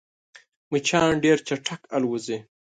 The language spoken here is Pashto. مچان ډېر چټک الوزي